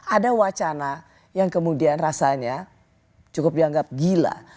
ada wacana yang kemudian rasanya cukup dianggap gila